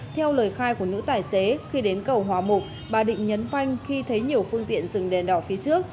theo lời khai của nữ tài xế khi đến cầu hòa mục bà định nhấn phanh khi thấy nhiều phương tiện dừng đèn đỏ phía trước